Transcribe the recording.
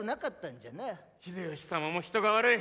秀吉様も人が悪い。